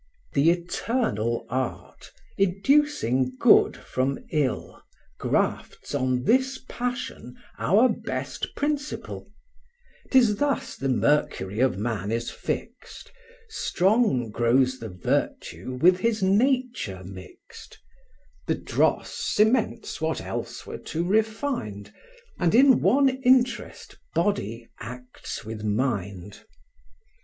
The eternal art, educing good from ill, Grafts on this passion our best principle: 'Tis thus the mercury of man is fixed, Strong grows the virtue with his nature mixed; The dross cements what else were too refined, And in one interest body acts with mind.